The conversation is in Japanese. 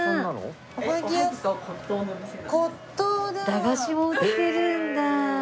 駄菓子も売ってるんだ。